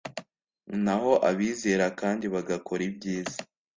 naho abizera kandi bagakora ibyiza